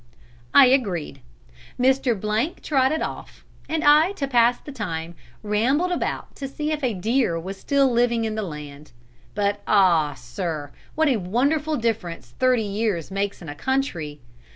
"'I agreed. Mr. trotted off, and I, to pass the time, rambled about to see if a deer was still living in the land. But ah! sir, what a wonderful difference thirty years makes in a country!